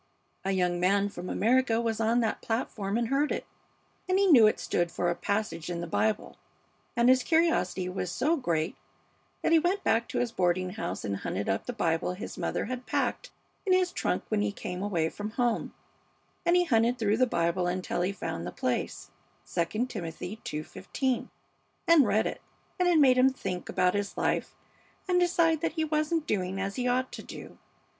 A young man from America was on that platform and heard it, and he knew it stood for a passage in the Bible, and his curiosity was so great that he went back to his boarding house and hunted up the Bible his mother had packed in his trunk when he came away from home, and he hunted through the Bible until he found the place, 'II Timothy ii:15,' and read it; and it made him think about his life and decide that he wasn't doing as he ought to do.